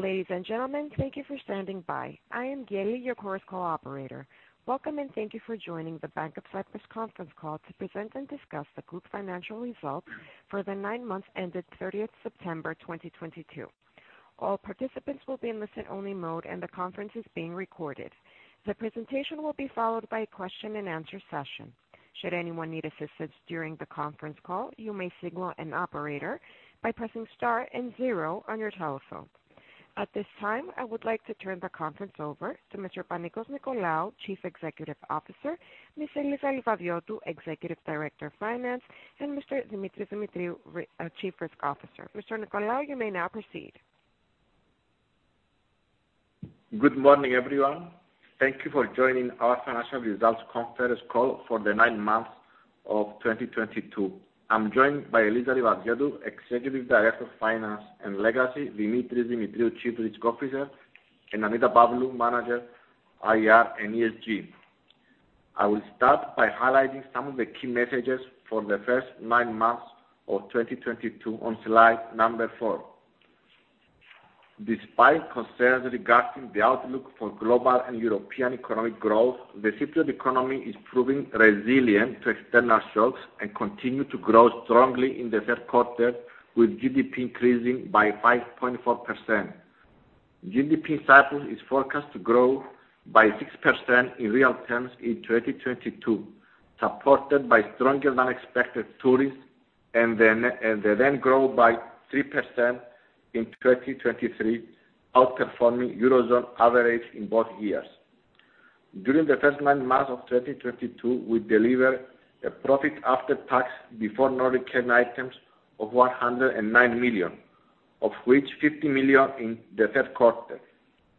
Ladies and gentlemen, thank you for standing by. I am Gail, your Chorus Call operator. Welcome, and thank you for joining the Bank of Cyprus conference call to present and discuss the group financial results for the nine months ended 30th September 2022. All participants will be in listen-only mode, and the conference is being recorded. The presentation will be followed by a question and answer session. Should anyone need assistance during the conference call, you may signal an operator by pressing star and zero on your telephone. At this time, I would like to turn the conference over to Mr. Panicos Nicolaou, Chief Executive Officer, Ms. Eliza Livadiotou, Executive Director of Finance, and Mr. Demetris Demetriou, Chief Risk Officer. Mr. Nicolaou, you may now proceed. Good morning, everyone. Thank you for joining our financial results conference call for the nine months of 2022. I'm joined by Eliza Livadiotou, Executive Director of Finance, and Legacy Demetris Demetriou, Chief Risk Officer, and Annita Pavlou, Manager, IR and ESG. I will start by highlighting some of the key messages for the first nine months of 2022 on slide number four. Despite concerns regarding the outlook for global and European economic growth, the Cypriot economy is proving resilient to external shocks and continue to grow strongly in the third quarter, with GDP increasing by 5.4%. GDP in Cyprus is forecast to grow by 6% in real terms in 2022, supported by stronger than expected tourists and then grow by 3% in 2023, outperforming Eurozone average in both years. During the first nine months of 2022, we delivered a profit after tax before non-recurring items of 109 million, of which 50 million in the third quarter,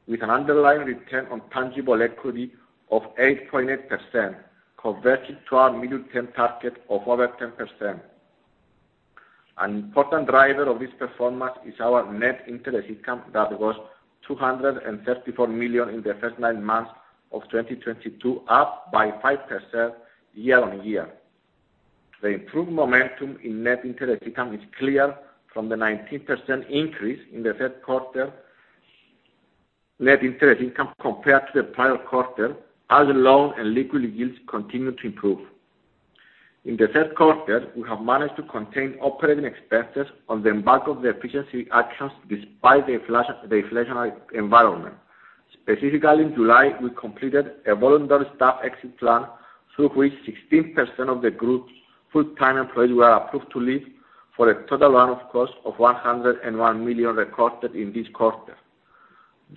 with an underlying return on tangible equity of 8.8% converging towards our medium-term target of over 10%. An important driver of this performance is our net interest income that was 234 million in the first nine months of 2022, up by 5% year-over-year. The improved momentum in net interest income is clear from the 19% increase in the third quarter net interest income compared to the prior quarter as loan and liquid yields continue to improve. In the third quarter, we have managed to contain operating expenses on the back of the efficiency actions despite the inflationary environment. Specifically, in July, we completed a voluntary staff exit plan through which 16% of the Group's full-time employees were approved to leave for a total one-off cost of 101 million recorded in this quarter.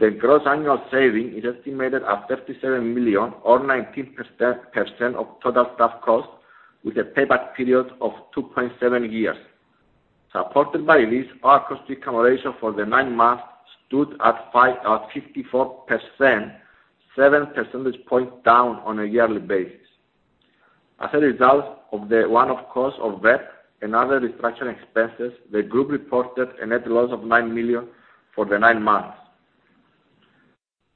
The gross annual saving is estimated at 57 million or 19% of total staff costs with a payback period of 2.7 years. Supported by this, our cost-income ratio for the nine months stood at 54%, seven percentage points down on a yearly basis. As a result of the one-off cost of VEP and other restructuring expenses, the Group reported a net loss of 9 million for the nine months.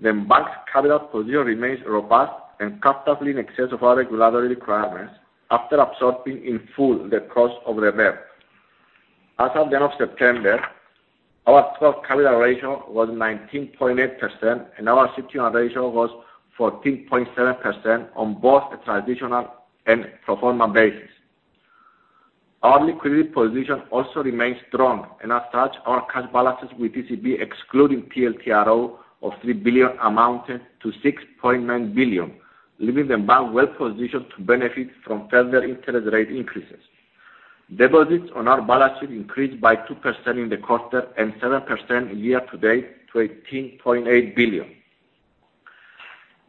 The Bank's capital position remains robust and comfortably in excess of our regulatory requirements after absorbing in full the cost of the VEP. As of the end of September, our total capital ratio was 19.8%, and our CET1 ratio was 14.7% on both a transitional and proforma basis. Our liquidity position also remains strong, and as such, our cash balances with ECB excluding TLTRO of 3 billion amounted to 6.9 billion, leaving the bank well-positioned to benefit from further interest rate increases. Deposits on our balance sheet increased by 2% in the quarter and 7% year-to-date to 18.8 billion.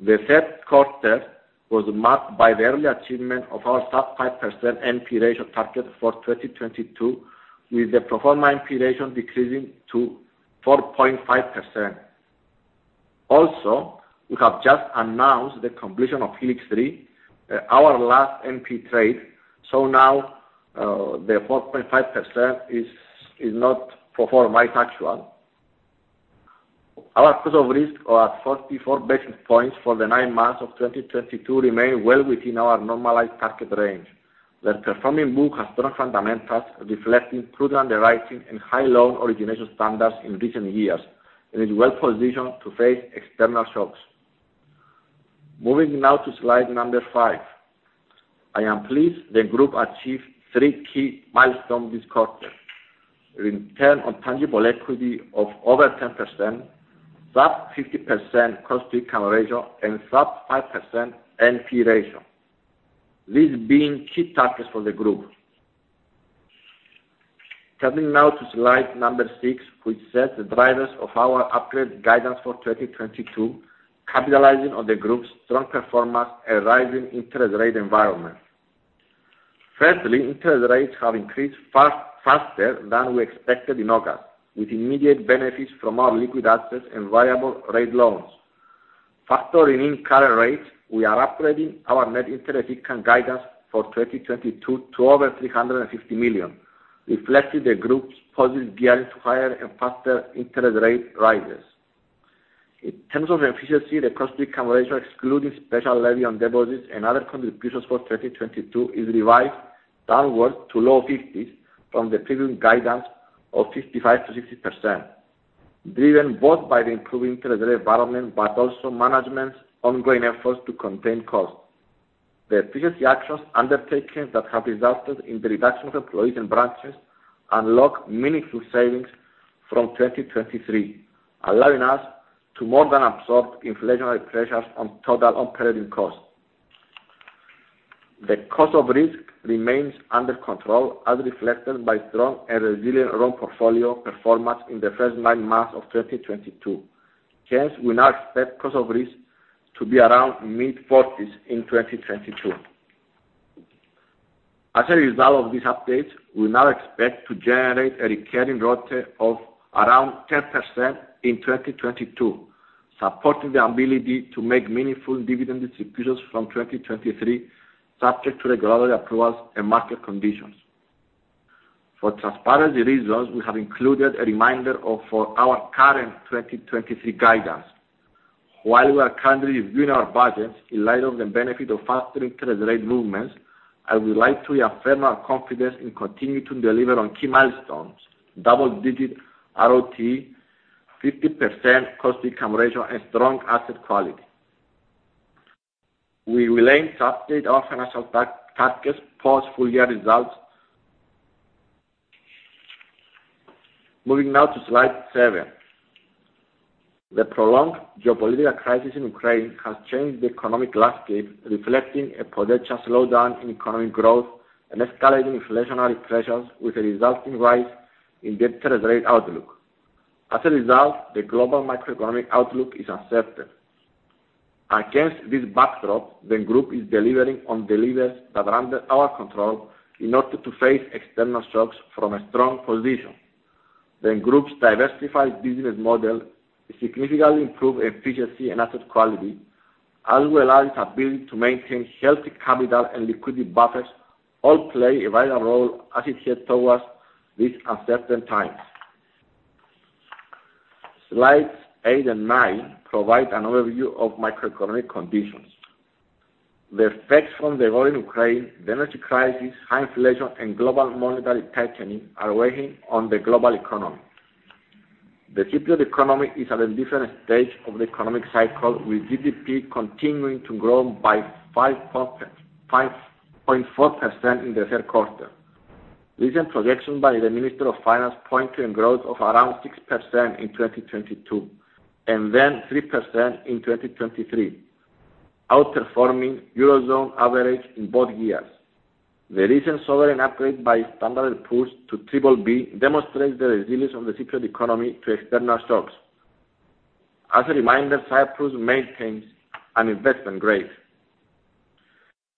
The third quarter was marked by the early achievement of our sub-5% NPE ratio target for 2022, with the proforma NPE ratio decreasing to 4.5%. Also, we have just announced the completion of Helix 3, our last NPE trade. Now the 4.5% is not proforma, it's actual. Our cost of risk are at 44 basis points for the nine months of 2022, remain well within our normalized target range. The performing book has strong fundamentals reflecting prudent underwriting and high loan origination standards in recent years and is well positioned to face external shocks. Moving now to slide number 5. I am pleased the Group achieved three key milestones this quarter. Return on tangible equity of over 10%, sub-50% cost-income ratio, and sub-5% NPE ratio. These being key targets for the Group. Turning now to slide number 6, which sets the drivers of our upgraded guidance for 2022, capitalizing on the Group's strong performance and rising interest rate environment. Firstly, interest rates have increased faster than we expected in August, with immediate benefits from our liquid assets and variable rate loans. Factoring in current rates, we are upgrading our net interest income guidance for 2022 to over 350 million, reflecting the Group's positive gearing to higher and faster interest rate rises. In terms of efficiency, the cost-to-income ratio excluding special levy on deposits and other contributions for 2022 is revised downward to low 50s from the previous guidance of 55%-60%, driven both by the improving interest rate environment, but also management's ongoing efforts to contain costs. The efficiency actions undertaken that have resulted in the reduction of employees and branches unlock meaningful savings from 2023, allowing us to more than absorb inflationary pressures on total operating costs. The cost of risk remains under control, as reflected by strong and resilient loan portfolio performance in the first nine months of 2022. Hence, we now expect cost of risk to be around mid-40s in 2022. As a result of these updates, we now expect to generate a recurring ROTE of around 10% in 2022, supporting the ability to make meaningful dividend distributions from 2023, subject to regulatory approvals and market conditions. For transparency reasons, we have included a reminder for our current 2023 guidance. While we are currently reviewing our budgets in light of the benefit of faster interest rate movements, I would like to reaffirm our confidence in continuing to deliver on key milestones, double-digit ROTE, 50% cost-income ratio, and strong asset quality. We will aim to update our financial target post full-year results. Moving now to slide 7. The prolonged geopolitical crisis in Ukraine has changed the economic landscape, reflecting a potential slowdown in economic growth and escalating inflationary pressures, with a resulting rise in the interest rate outlook. As a result, the global macroeconomic outlook is uncertain. Against this backdrop, the Group is delivering on the levers that are under our control in order to face external shocks from a strong position. The Group's diversified business model, significantly improved efficiency and asset quality, as well as its ability to maintain healthy capital and liquidity buffers, all play a vital role as it heads towards these uncertain times. Slides eight and nine provide an overview of macroeconomic conditions. The effects from the war in Ukraine, the energy crisis, high inflation, and global monetary tightening are weighing on the global economy. The Cypriot economy is at a different stage of the economic cycle, with GDP continuing to grow by 5.4% in the third quarter. Recent projections by the Minister of Finance point to a growth of around 6% in 2022, and then 3% in 2023, outperforming Eurozone average in both years. The recent sovereign upgrade by Standard & Poor's to BBB demonstrates the resilience of the Cypriot economy to external shocks. As a reminder, Cyprus maintains an investment grade.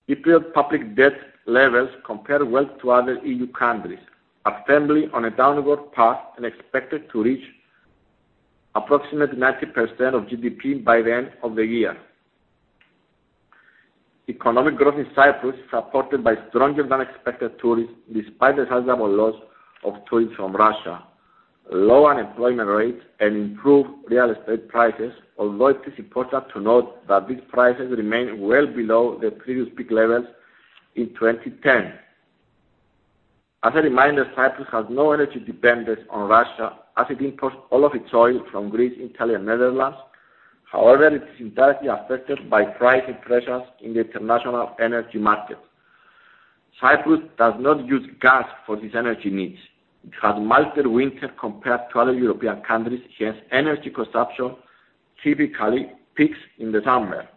Cypriot public debt levels compare well to other E.U. countries, are firmly on a downward path, and expected to reach approximate 90% of GDP by the end of the year. Economic growth in Cyprus is supported by stronger than expected tourists, despite the sizable loss of tourists from Russia, low unemployment rates, and improved real estate prices, although it is important to note that these prices remain well below their previous peak levels in 2010. As a reminder, Cyprus has no energy dependence on Russia, as it imports all of its oil from Greece, Italy, and Netherlands. However, it is indirectly affected by pricing pressures in the international energy market. Cyprus does not use gas for its energy needs. It has milder winter compared to other European countries, hence energy consumption typically peaks in the summer.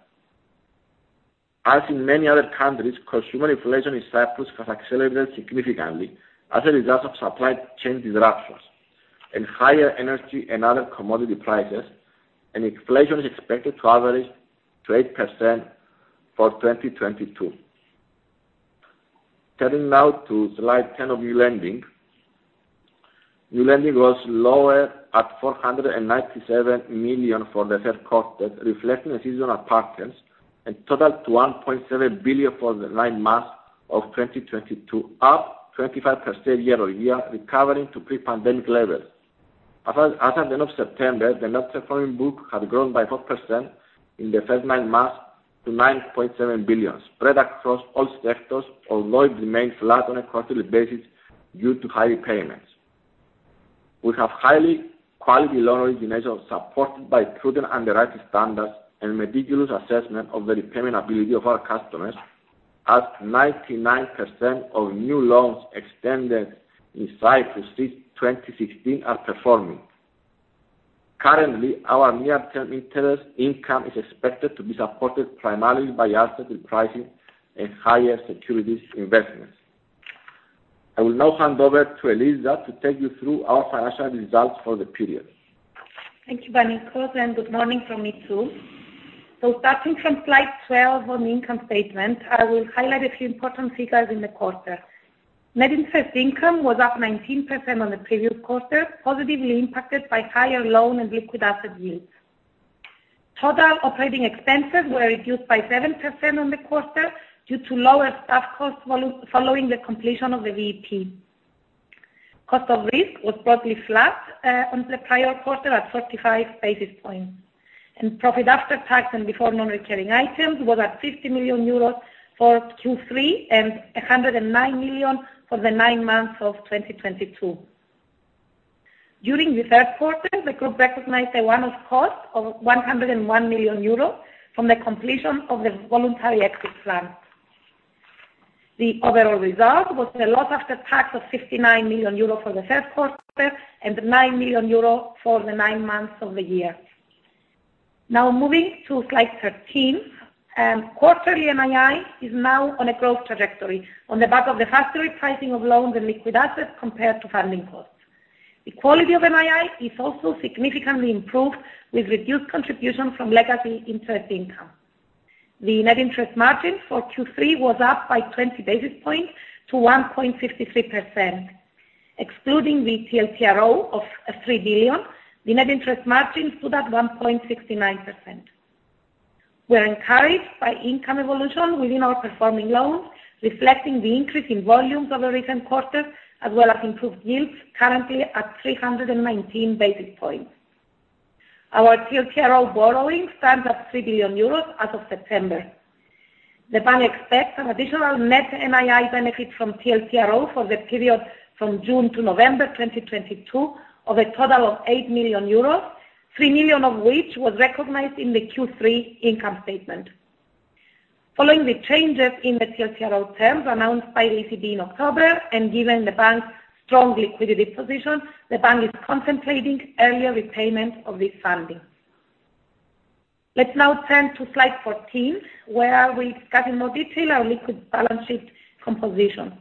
As in many other countries, consumer inflation in Cyprus has accelerated significantly as a result of supply chain disruptions and higher energy and other commodity prices, and inflation is expected to average 12% for 2022. Turning now to slide 10 of new lending. New lending was lower at 497 million for the third quarter, reflecting seasonal patterns, and totaled 1.7 billion for the nine months of 2022, up 25% year-over-year, recovering to pre-pandemic levels. As at the end of September, the performing book had grown by 4% in the first nine months to 9.7 billion, spread across all sectors, although it remains flat on a quarterly basis due to high repayments. We have high-quality loan originations supported by prudent underwriting standards and meticulous assessment of the repayment ability of our customers. As 99% of new loans extended in Cyprus since 2016 are performing. Currently, our near-term interest income is expected to be supported primarily by asset repricing and higher securities investments. I will now hand over to Eliza to take you through our financial results for the period. Thank you, Panicos, and good morning from me, too. Starting from slide 12 on the income statement, I will highlight a few important figures in the quarter. Net interest income was up 19% on the previous quarter, positively impacted by higher loan and liquid asset yields. Total operating expenses were reduced by 7% on the quarter due to lower staff costs following the completion of the VEP. Cost of risk was broadly flat on the prior quarter at 35 basis points. Profit after tax and before non-recurring items was at 50 million euros for Q3 and 109 million for the nine months of 2022. During the third quarter, the group recognized a one-off cost of 101 million euros from the completion of the voluntary exit plan. The overall result was a loss after tax of 59 million euro for the third quarter and 9 million euro for the nine months of the year. Now moving to slide 13. Quarterly NII is now on a growth trajectory on the back of the faster repricing of loans and liquid assets compared to funding costs. The quality of NII is also significantly improved, with reduced contribution from legacy interest income. The net interest margin for Q3 was up by 20 basis points to 1.53%. Excluding the TLTRO of 3 billion, the net interest margin stood at 1.69%. We are encouraged by income evolution within our performing loans, reflecting the increase in volumes over recent quarters, as well as improved yields currently at 319 basis points. Our TLTRO borrowing stands at 3 billion euros as of September. The bank expects an additional net NII benefit from TLTRO for the period from June to November 2022 of a total of 8 million euros, 3 million of which was recognized in the Q3 income statement. Following the changes in the TLTRO terms announced by ECB in October and given the bank's strong liquidity position, the bank is contemplating earlier repayment of these fundings. Let's now turn to slide 14, where we discuss in more detail our liquid balance sheet composition.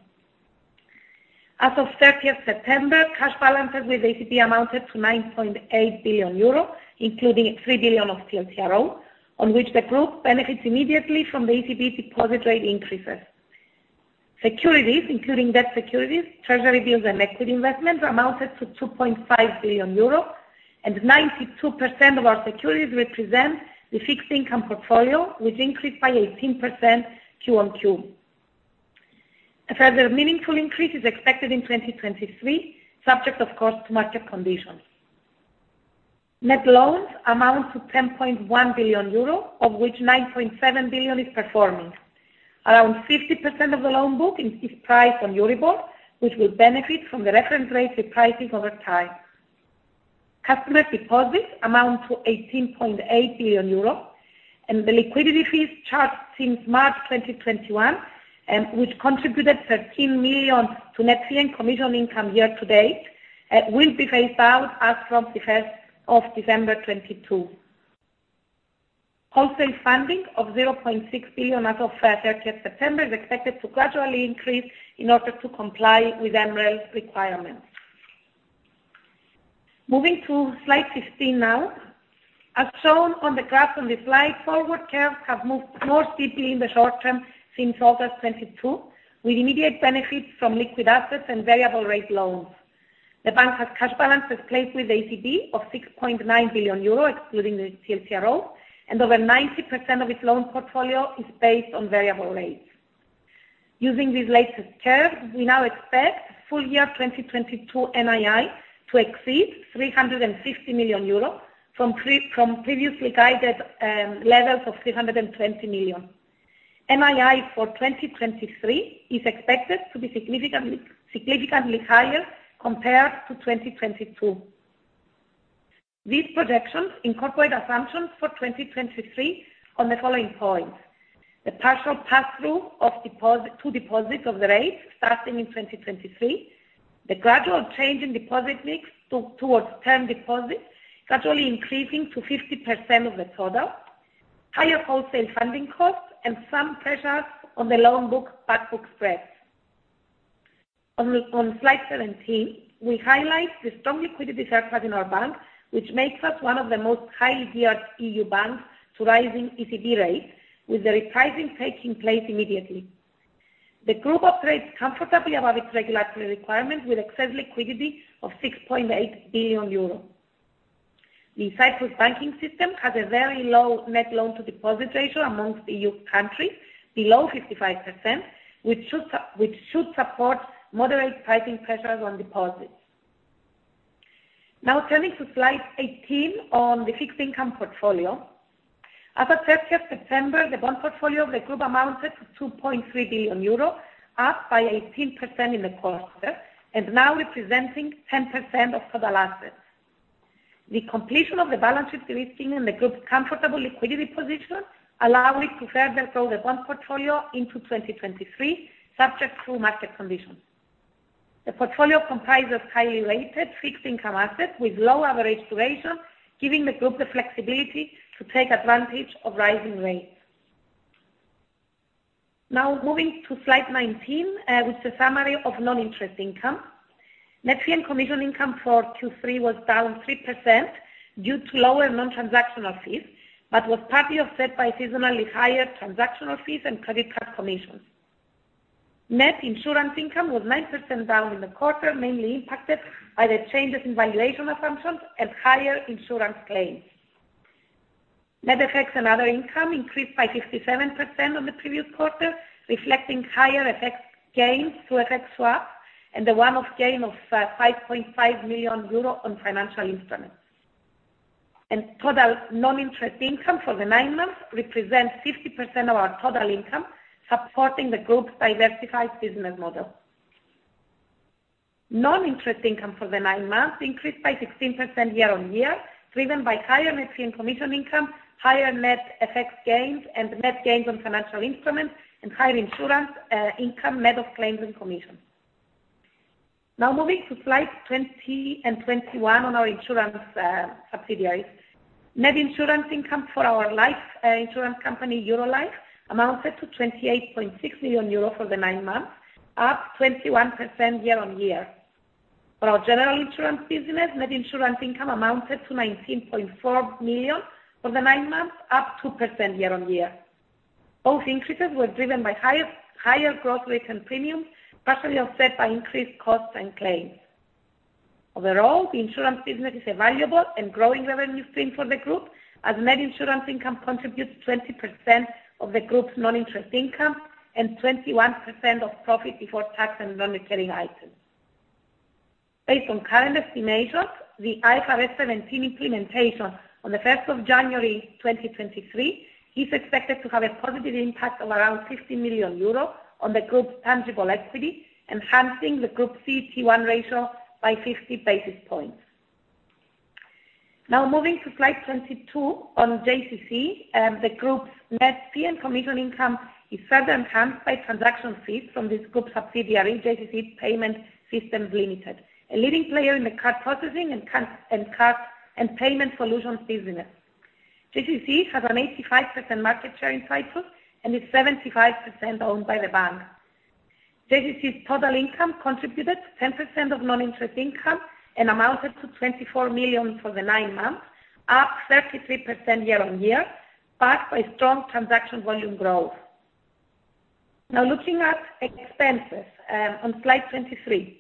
As of 30th September, cash balances with ECB amounted to 9.8 billion euro, including 3 billion of TLTRO, on which the group benefits immediately from the ECB deposit rate increases. Securities, including debt securities, treasury bills and equity investments, amounted to 2.5 billion euros, and 92% of our securities represent the fixed income portfolio, which increased by 18% Q-on-Q. A further meaningful increase is expected in 2023, subject, of course, to market conditions. Net loans amount to 10.1 billion euro, of which 9.7 billion is performing. Around 50% of the loan booking is priced on Euribor, which will benefit from the reference rate repricing over time. Customer deposits amount to 18.8 billion euros, and the liquidity fees charged since March 2021, which contributed 13 million to net fee and commission income year to date, will be phased out as from the first of December 2022. Wholesale funding of 0.6 billion as of 30th September is expected to gradually increase in order to comply with MREL requirements. Moving to slide 15 now. As shown on the graph on the slide, forward curves have moved more steeply in the short term since August twenty-two, with immediate benefits from liquid assets and variable rate loans. The bank has cash balances placed with ECB of six point nine billion euros, excluding the TLTRO, and over ninety percent of its loan portfolio is based on variable rates. Using these latest curves, we now expect full year twenty twenty-two NII to exceed three hundred and sixty million euros from pre-from previously guided, um, levels of three hundred and twenty million. NII for twenty twenty-three is expected to be significantly higher compared to twenty twenty-two. These projections incorporate assumptions for 2023 on the following points. The partial pass-through of deposits of the rates starting in 2023, the gradual change in deposit mix towards term deposits gradually increasing to 50% of the total, higher wholesale funding costs, and some pressures on the loan book spreads. On slide 17, we highlight the strong liquidity surplus in our bank, which makes us one of the most highly geared EU banks to rising ECB rates, with the repricing taking place immediately. The group operates comfortably above its regulatory requirements with excess liquidity of 6.8 billion euros. The Cyprus banking system has a very low net loan to deposit ratio amongst EU countries, below 55%, which should support moderate pricing pressures on deposits. Now turning to slide 18 on the fixed income portfolio. As of 30th September, the bond portfolio of the Group amounted to 2.3 billion euro, up by 18% in the quarter and now representing 10% of total assets. The completion of the balance sheet lifting and the Group's comfortable liquidity position allow it to further grow the bond portfolio into 2023, subject to market conditions. The portfolio comprises highly rated fixed income assets with low average duration, giving the Group the flexibility to take advantage of rising rates. Now moving to slide 19, which is a summary of non-interest income. Net fee and commission income for Q3 was down 3% due to lower non-transactional fees, but was partly offset by seasonally higher transactional fees and credit card commissions. Net insurance income was 9% down in the quarter, mainly impacted by the changes in valuation assumptions and higher insurance claims. Net FX and other income increased by 57% on the previous quarter, reflecting higher FX gains through FX swap and the one-off gain of 5.5 million euros on financial instruments. Total non-interest income for the nine months represents 50% of our total income supporting the group's diversified business model. Non-interest income for the nine months increased by 16% year-on-year, driven by higher net fee and commission income, higher net FX gains and net gains on financial instruments, and higher insurance income net of claims and commissions. Now moving to slides 20 and 21 on our insurance subsidiaries. Net insurance income for our life insurance company, Eurolife, amounted to 28.6 million euro for the nine months, up 21% year-over-year. For our general insurance business, net insurance income amounted to 19.4 million for the nine months, up 2% year-over-year. Both increases were driven by higher growth rates and premiums partially offset by increased costs and claims. Overall, the insurance business is a valuable and growing revenue stream for the Group, as net insurance income contributes 20% of the Group's non-interest income and 21% of profit before tax and non-recurring items. Based on current estimations, the IFRS 17 implementation on the first of January 2023 is expected to have a positive impact of around 50 million euros on the Group's tangible equity, enhancing the Group CET1 ratio by 50 basis points. Now moving to slide 22 on JCC, the group's net fee and commission income is further enhanced by transaction fees from this group's subsidiary, JCC Payment Systems Limited, a leading player in the card processing and card and payment solutions business. JCC has an 85% market share in Cyprus and is 75% owned by the bank. JCC's total income contributed 10% of non-interest income and amounted to 24 million for the nine months, up 33% year-on-year, backed by strong transaction volume growth. Now looking at expenses on slide 23.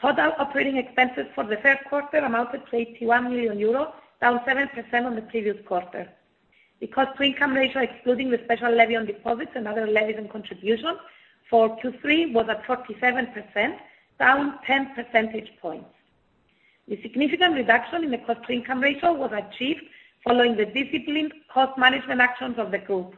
Total operating expenses for the third quarter amounted to 81 million euros, down 7% on the previous quarter. The cost-income ratio, excluding the special levy on deposits and other levies and contributions for Q3, was at 47%, down 10 percentage points. The significant reduction in the cost-income ratio was achieved following the disciplined cost management actions of the Group.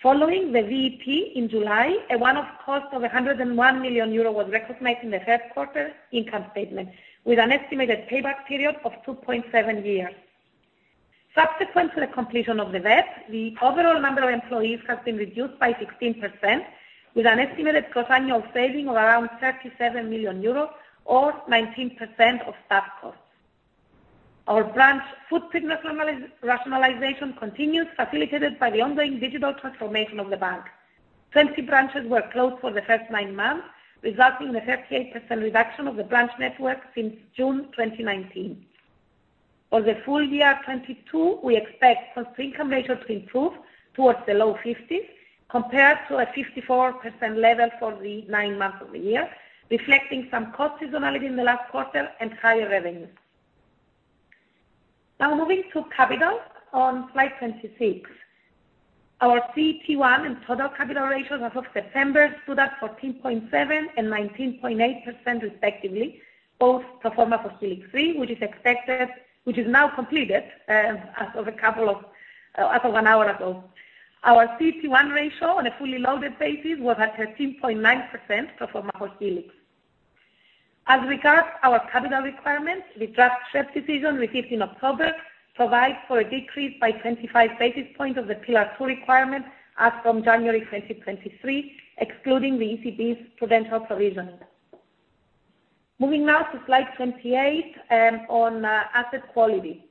Following the VEP in July, a one-off cost of 101 million euro was recognized in the third quarter income statement, with an estimated payback period of 2.7 years. Subsequent to the completion of the VEP, the overall number of employees has been reduced by 16%, with an estimated cost annual saving of around 37 million euros or 19% of staff costs. Our branch footprint rationalization continues, facilitated by the ongoing digital transformation of the Bank. 20 branches were closed for the first nine months, resulting in a 38% reduction of the branch network since June 2019. For the full year 2022, we expect cost-income ratio to improve towards the low 50s, compared to a 54% level for the nine months of the year, reflecting some cost seasonality in the last quarter and higher revenues. Now moving to capital on slide 26. Our CET1 and total capital ratios as of September stood at 14.7% and 19.8% respectively, both pro forma for Helix 3, which is now completed as of an hour ago. Our CET1 ratio on a fully loaded basis was at 13.9% pro forma for Helix. As regards our capital requirements, the draft SREP decision received in October provides for a decrease by 25 basis points of the Pillar 2 requirement as from January 2023, excluding the ECB's prudential provisioning. Moving now to slide 28 on asset quality.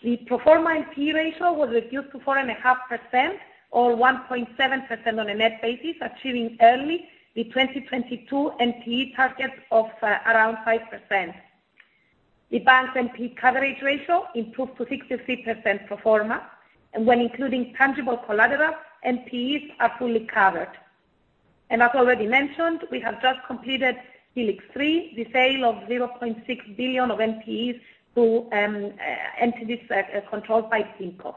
The pro forma NPE ratio was reduced to 4.5% or 1.7% on a net basis, achieving early the 2022 NPE target of around 5%. The bank's NPE coverage ratio improved to 63% pro forma, and when including tangible collateral, NPEs are fully covered. As already mentioned, we have just completed Helix 3, the sale of 0.6 billion of NPEs to entities controlled by PIMCO.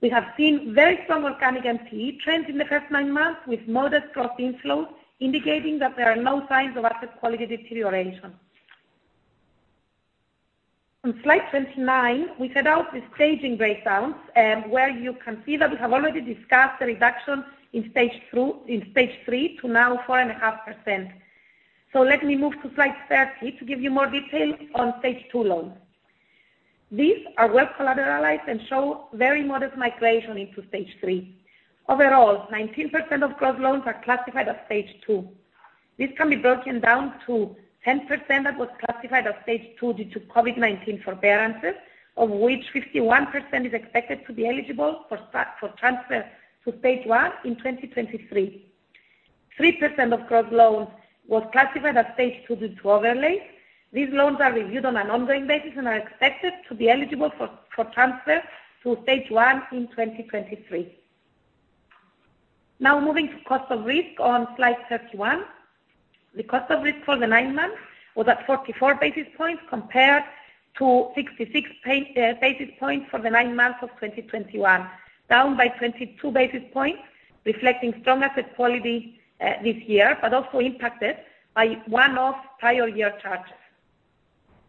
We have seen very strong organic NPE trends in the first nine months, with modest gross inflows indicating that there are no signs of asset quality deterioration. On slide 29, we set out the staging breakdowns, where you can see that we have already discussed the reduction in stage 3 to now 4.5%. Let me move to slide 30 to give you more detail on stage 2 loans. These are well collateralized and show very modest migration into stage 3. Overall, 19% of gross loans are classified as stage 2. This can be broken down to 10% that was classified as stage 2 due to COVID-19 forbearances, of which 51% is expected to be eligible for transfer to stage 1 in 2023. 3% of gross loans was classified as stage 2 due to overlays. These loans are reviewed on an ongoing basis and are expected to be eligible for transfer to stage one in 2023. Now moving to cost of risk on slide 31. The cost of risk for the nine months was at 44 basis points compared to 66 basis points for the nine months of 2021, down by 22 basis points, reflecting strong asset quality this year, but also impacted by one-off prior year charges.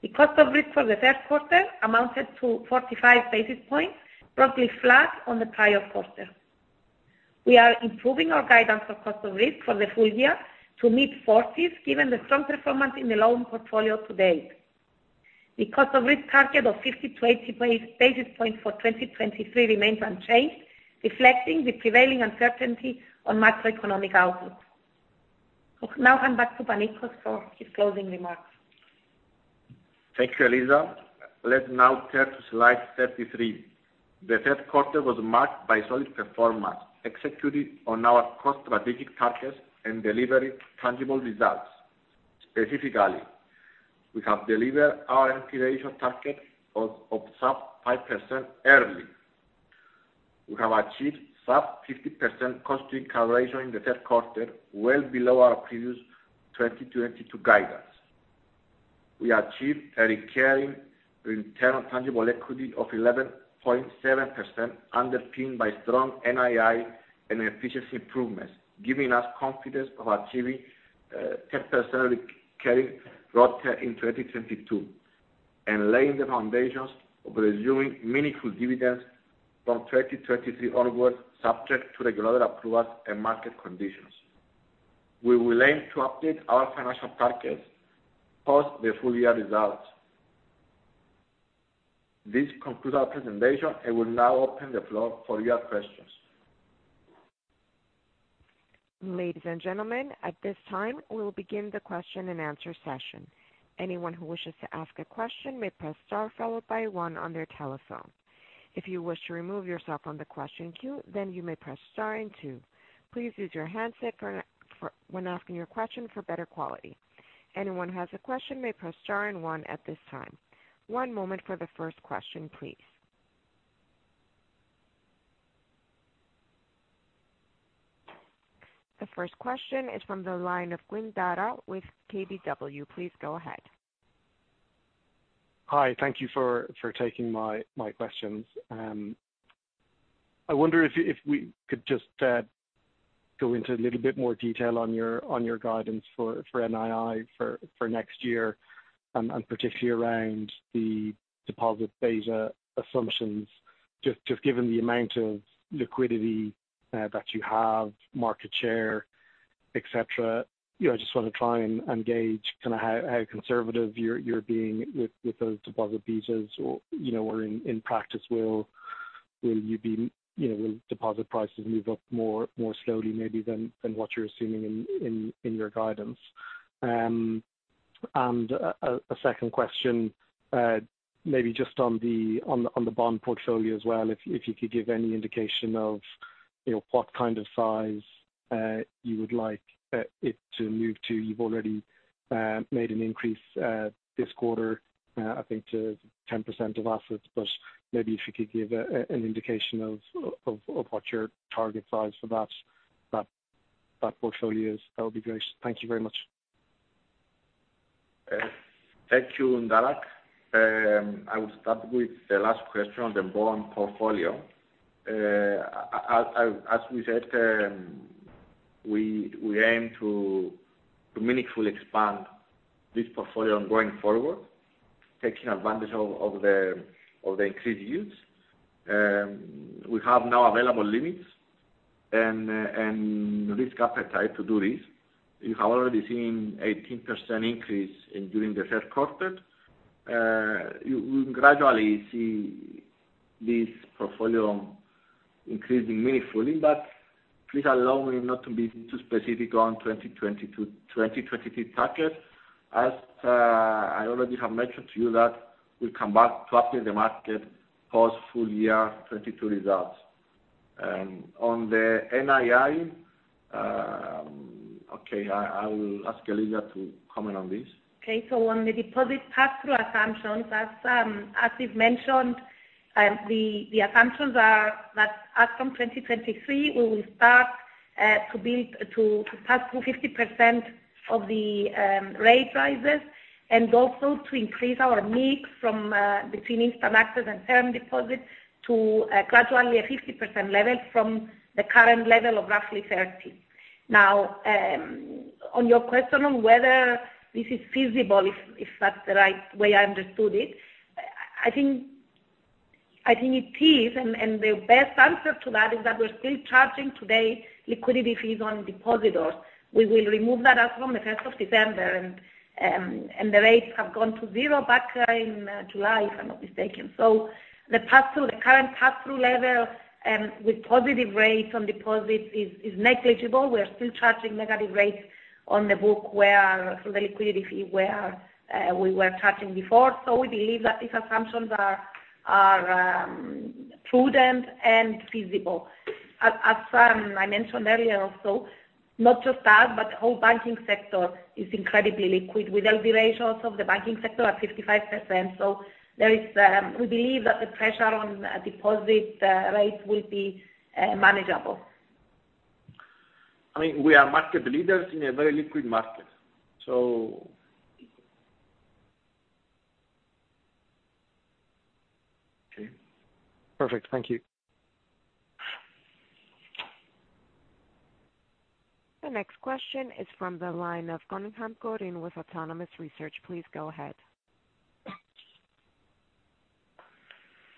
The cost of risk for the third quarter amounted to 45 basis points, roughly flat on the prior quarter. We are improving our guidance for cost of risk for the full year to mid-40s, given the strong performance in the loan portfolio to date. The cost of risk target of 50 basis points-80 basis points for 2023 remains unchanged, reflecting the prevailing uncertainty on macroeconomic output. Now I hand back to Panicos for his closing remarks. Thank you, Eliza. Let's now turn to slide 33. The third quarter was marked by solid performance, executing on our core strategic targets and delivering tangible results. Specifically, we have delivered our NPL ratio target of sub 5% early. We have achieved sub 50% cost-income ratio in the third quarter, well below our previous 2022 guidance. We achieved a recurring return on tangible equity of 11.7%, underpinned by strong NII and efficiency improvements, giving us confidence of achieving 10% recurring ROTE in 2022, and laying the foundations of resuming meaningful dividends from 2023 onwards, subject to regulatory approvals and market conditions. We will aim to update our financial targets post the full-year results. This concludes our presentation. I will now open the floor for your questions. Ladies and gentlemen, at this time, we will begin the question and answer session. Anyone who wishes to ask a question may press star followed by one on their telephone. If you wish to remove yourself from the question queue, then you may press star and two. Please use your handset when asking your question for better quality. Anyone who has a question may press star and one at this time. One moment for the first question, please. The first question is from the line of Quinn, Daragh with KBW. Please go ahead. Hi, thank you for taking my questions. I wonder if we could just go into a little bit more detail on your guidance for NII for next year and particularly around the deposit beta assumptions, just given the amount of liquidity that you have, market share, et cetera. You know, I just want to try and gauge kind of how conservative you're being with those deposit betas or, you know, in practice, you know, will deposit prices move up more slowly maybe than what you're assuming in your guidance? A second question, maybe just on the bond portfolio as well, if you could give any indication of, you know, what kind of size you would like it to move to. You've already made an increase this quarter, I think to 10% of assets, but maybe if you could give an indication of what your target size for that portfolio is, that would be great. Thank you very much. Thank you, Daragh. I will start with the last question on the bond portfolio. As we said, we aim to meaningfully expand this portfolio going forward, taking advantage of the increased yields. We have now available limits and risk appetite to do this. You have already seen 18% increase during the third quarter. You gradually see this portfolio increasing meaningfully, but please allow me not to be too specific on 2022-2023 targets. As I already have mentioned to you that we'll come back to update the market post full year 2022 results. On the NII, okay, I will ask Eliza to comment on this. Okay. On the deposit pass-through assumptions, as we've mentioned, the assumptions are that as from 2023, we will start to pass through 50% of the rate rises, and also to increase our mix from between instant access and term deposits to gradually a 50% level from the current level of roughly 30%. Now on your question on whether this is feasible, if that's the right way I understood it, I think it is, and the best answer to that is that we're still charging today liquidity fees on depositors. We will remove that as from the 1st of December, and the rates have gone to 0 back in July, if I'm not mistaken. The current pass-through level with positive rates on deposits is negligible. We are still charging negative rates on the book where, for the liquidity fee, we were charging before. We believe that these assumptions are prudent and feasible. As I mentioned earlier also, not just us, but the whole banking sector is incredibly liquid, with LTD ratios of the banking sector at 55%. We believe that the pressure on deposit rates will be manageable. I mean, we are market leaders in a very liquid market. Okay. Perfect. Thank you. The next question is from the line of Cunningham, Corinne with Autonomous Research. Please go ahead.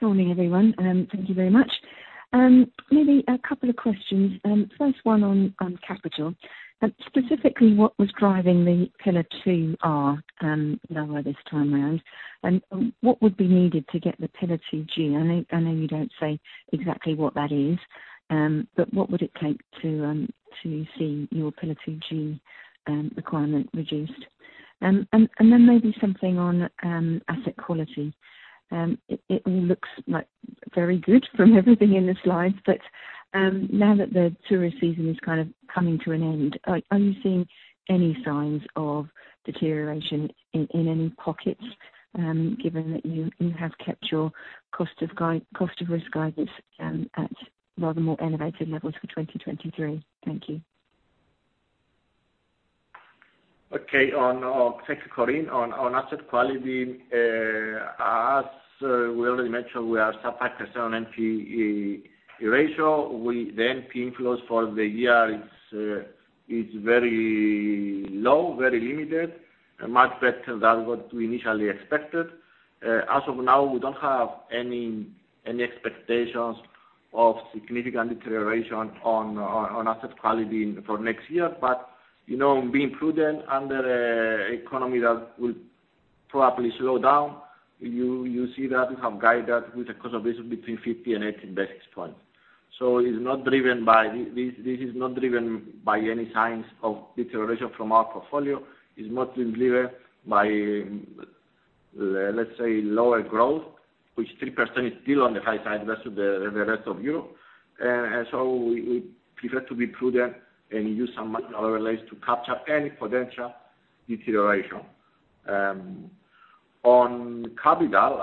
Morning, everyone, and thank you very much. Maybe a couple of questions. First one on capital. Specifically what was driving the P2R lower this time around? What would be needed to get the P2G? I know you don't say exactly what that is, but what would it take to see your P2G requirement reduced? Maybe something on asset quality. It all looks like very good from everything in the slides, but now that the tourist season is kind of coming to an end, are you seeing any signs of deterioration in any pockets, given that you have kept your cost of risk guidance at rather more elevated levels for 2023? Thank you. Okay. Thank you, Corinne. On asset quality, as we already mentioned, we are sub 5% on NPE ratio. The NPE inflows for the year is very low, very limited, much better than what we initially expected. As of now, we don't have any expectations of significant deterioration on asset quality for next year. You know, being prudent under the economy that will probably slow down, you see that we have guided with a cost of risk between 50 and 80 basis points. This is not driven by any signs of deterioration from our portfolio. It's mostly driven by, let's say, lower growth, which 3% is still on the high side versus the rest of Europe. We prefer to be prudent and use some other ways to capture any potential deterioration. On capital,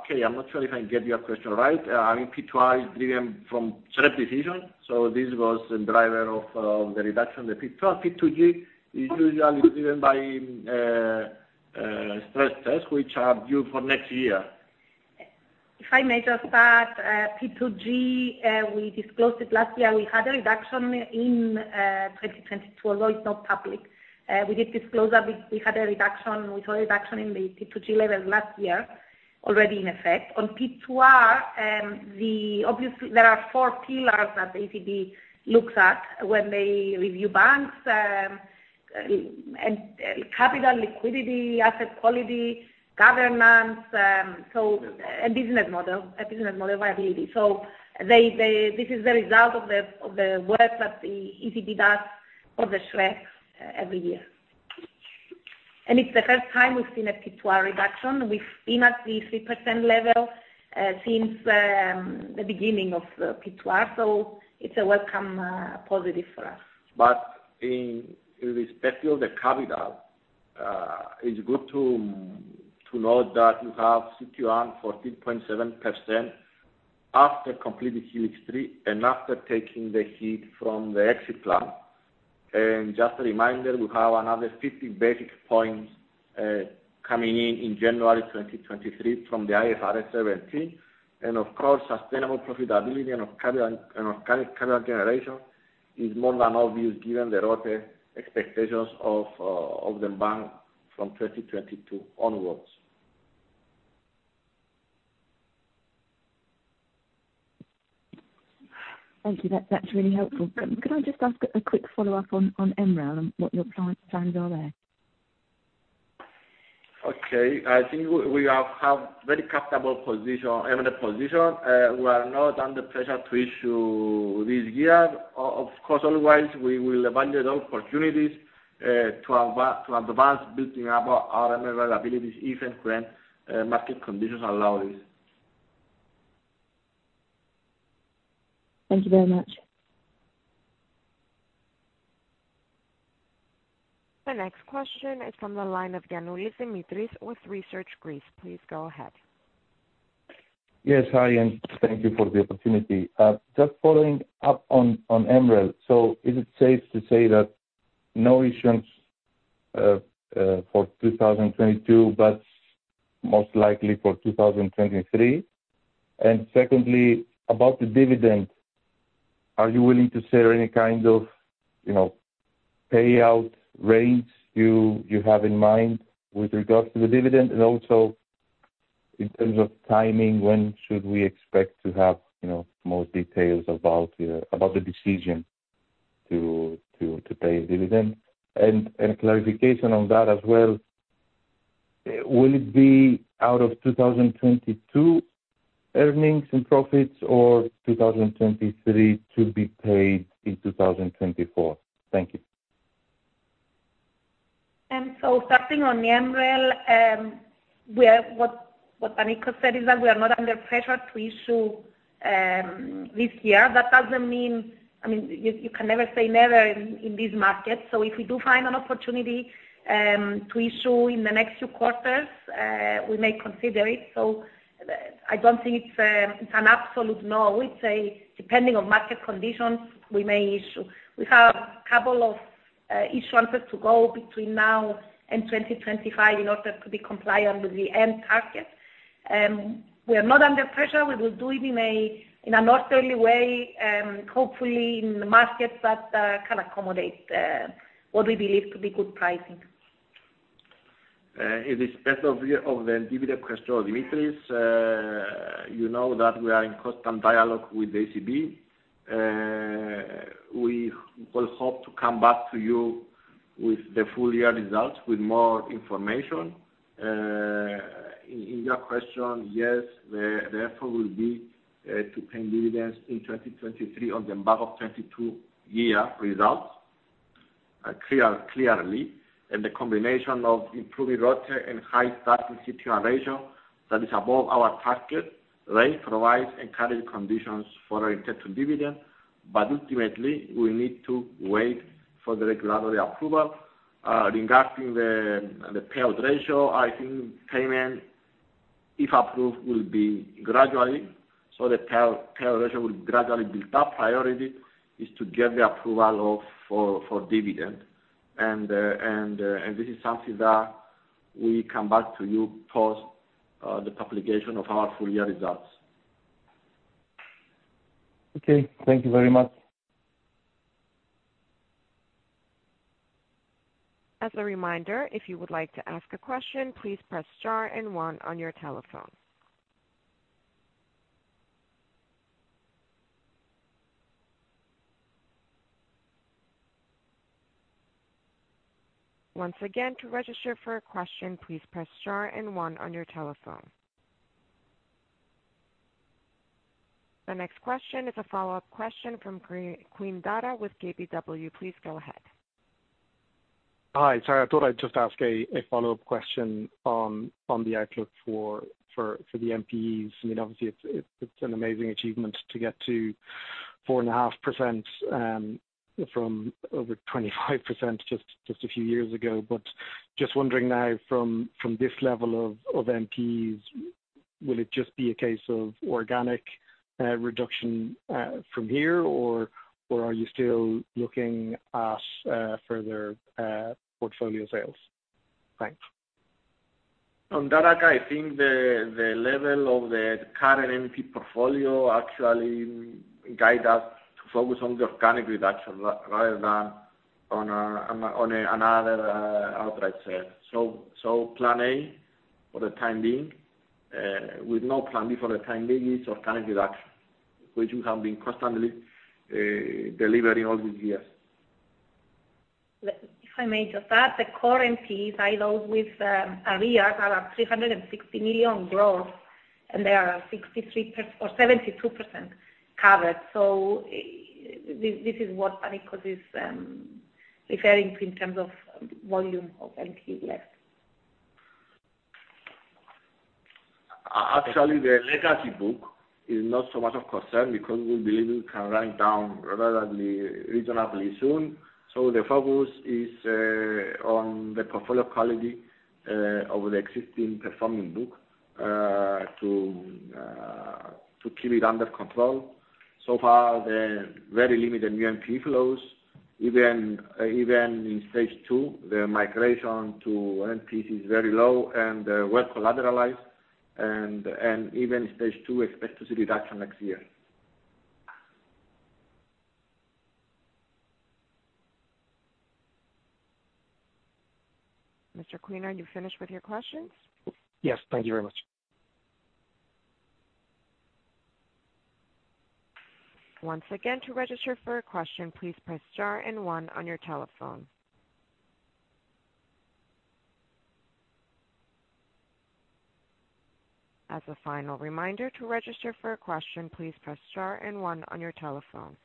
okay, I'm not sure if I get your question right. I mean, P2R driven from SREP decision, so this was the driver of the reduction of the P2R. P2G is usually driven by stress tests which are due for next year. If I may just add, P2G, we disclosed it last year. We had a reduction in 2022, although it's not public. We did disclose that we had a reduction. We saw a reduction in the P2G level last year already in effect. On P2R, obviously, there are four pillars that ECB looks at when they review banks, capital liquidity, asset quality, governance, and business model, and business model viability. This is the result of the work that the ECB does for the SREPs every year. It's the first time we've seen a P2R reduction. We've been at the 3% level since the beginning of the P2R, so it's a welcome positive for us. In respect to the capital, it's good to note that you have CET1 14.7% after completing Helix 3 and after taking the hit from the Exit Plan. Just a reminder, we have another 50 basis points coming in in January 2023 from the IFRS 17. Of course, sustainable profitability and of capital generation is more than obvious given the ROATE expectations of the bank from 2022 onwards. Thank you. That's really helpful. Could I just ask a quick follow-up on MREL and what your plans are there? Okay. I think we have very comfortable position, MREL position. We are not under pressure to issue this year. Of course, otherwise we will evaluate all opportunities to advance building up our MREL liabilities, if and when market conditions allow this. Thank you very much. The next question is from the line of Giannoulis, Dimitris With ResearchGreece. Please go ahead. Yes. Hi, and thank you for the opportunity. Just following up on MREL. Is it safe to say that no issuance for 2022, but most likely for 2023? Secondly, about the dividend, are you willing to share any kind of, you know, payout range you have in mind with regards to the dividend? Also, in terms of timing, when should we expect to have, you know, more details about the decision to pay a dividend? Clarification on that as well, will it be out of 2022 earnings and profits or 2023 to be paid in 2024? Thank you. Starting on the MREL, what Panicos said is that we are not under pressure to issue this year. That doesn't mean, I mean, you can never say never in these markets. If we do find an opportunity to issue in the next few quarters, we may consider it. I don't think it's an absolute no. We'd say depending on market conditions, we may issue. We have a couple of issuances to go between now and 2025 in order to be compliant with the end target. We are not under pressure. We will do it in an orderly way, hopefully in the markets that can accommodate what we believe to be good pricing. In respect of the dividend question, Dimitris, you know that we are in constant dialogue with ECB. We will hope to come back to you with the full-year results with more information. In your question, yes, the effort will be to pay dividends in 2023 on the back of 2022 year results, clearly. The combination of improving ROTE and high statutory CET1 ratio that is above our target rate provides encouraging conditions for our intended dividend, but ultimately, we need to wait for the regulatory approval. Regarding the payout ratio, I think payment, if approved, will be gradually. The payout ratio will gradually build up. Priority is to get the approval for dividend. This is something that we come back to you post the publication of our full-year results. Okay. Thank you very much. As a reminder, if you would like to ask a question, please press star and 1 on your telephone. Once again, to register for a question, please press star and 1 on your telephone. The next question is a follow-up question from Quinn, Daragh with KBW. Please go ahead. Hi. Sorry, I thought I'd just ask a follow-up question on the outlook for the NPEs. I mean, obviously it's an amazing achievement to get to 4.5% from over 25% just a few years ago. Just wondering now from this level of NPEs, will it just be a case of organic reduction from here, or are you still looking at further portfolio sales? Thanks. On that, I think the level of the current NPE portfolio actually guide us to focus on the organic reduction rather than on another outright sale. Plan A for the time being, with no Plan B for the time being, is organic reduction, which we have been constantly delivering all these years. If I may just add, the current piece I know with arrears are at 360 million gross, and they are 72% covered. This is what Panicos is referring to in terms of volume of NPE left. Actually, the legacy book is not so much of concern because we believe we can write down relatively reasonably soon. The focus is on the portfolio quality of the existing performing book to keep it under control. So far, the very limited new NPE flows, even in Stage 2, the migration to NPE is very low and well collateralized and even Stage 2, expect to see reduction next year. Mr. Quinn are you finished with your questions? Yes. Thank you very much. Once again, to register for a question, please press star and one on your telephone. As a final reminder, to register for a question, please press star and one on your telephone.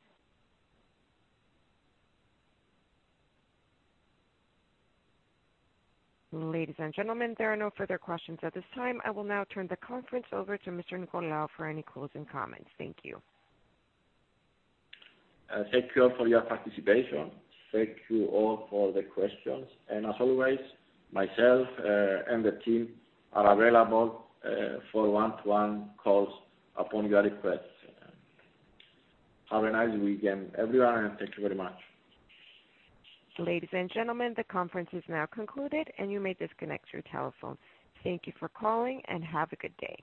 Ladies and gentlemen, there are no further questions at this time. I will now turn the conference over to Mr. Nicolaou for any closing comments. Thank you. Thank you all for your participation. Thank you all for the questions. As always, myself and the team are available for one-to-one calls upon your request. Have a nice weekend, everyone, and thank you very much. Ladies and gentlemen, the conference is now concluded, and you may disconnect your telephones. Thank you for calling, and have a good day.